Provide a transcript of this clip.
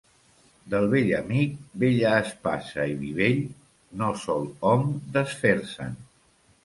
De vell amic, vella espasa i vi vell, no sol hom desfer-se'n.